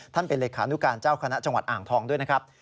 เป็นเลขานุการเจ้าคณะจังหวัดอ่างทองด้วยนะครับ